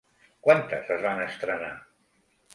Quantes es van estrenar?